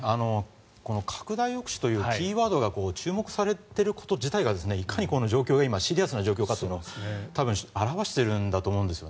拡大抑止というキーワードが注目されてること自体がいかに今のこの状況が今、シリアスな状況かというのを多分表しているんだと思います。